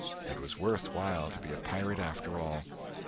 It was worth while to be a pirate, after all.